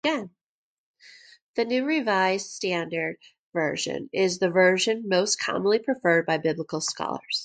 The New Revised Standard Version is the version most commonly preferred by biblical scholars.